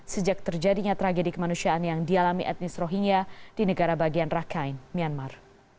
sejak terjadinya tragedi kemanusiaan yang dialami etnis rohingya di negara bagian rakhine myanmar